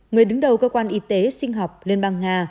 người đứng đầu cơ quan y tế sinh học liên bang nga